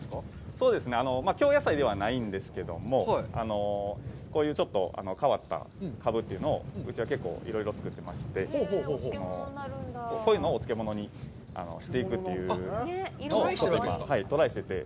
そうですね、京野菜ではないんですけども、こういうちょっと変わったカブというのをうちは結構いろいろ作ってまして、こういうのをお漬物にしていくということを今、トライしていて。